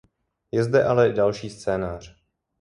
Je zde ale i další scénář.